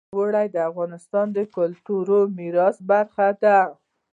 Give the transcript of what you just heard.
اوړي د افغانستان د کلتوري میراث برخه ده.